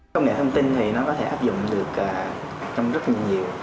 công nghệ thông tin thì nó có thể áp dụng được trong rất là nhiều